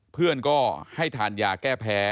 เพื่อนก็ให้ทานยาแก้แพ้